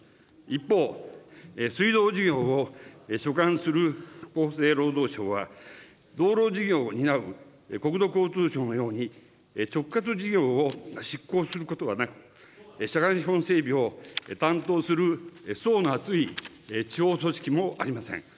一方、水道事業を所管する厚生労働省は、道路事業を担う国土交通省のように、直轄事業を執行することはなく、社会資本整備を担当する、層の厚い地方組織もありません。